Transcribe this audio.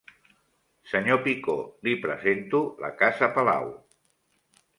Senyor Picó, li presento la casa Palau.